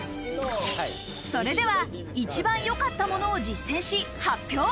それでは一番よかったものを実践し発表！